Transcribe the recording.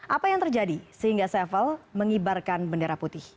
apa yang terjadi sehingga sevel mengibarkan bendera putih